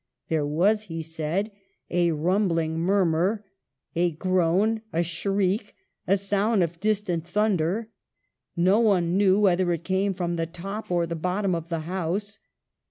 *' There was," he said, " a rumbling murmur, a groan, a shriek, a sound of distant thunder. No one knew whether it came from the top or the bottom of the House.